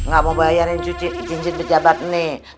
gak mau bayarin cincin pejabat nih